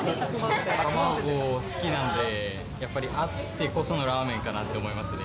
卵好きなんで、やっぱりあってこそのラーメンかなって思いますね。